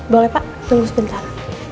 boleh pak tunggu sebentar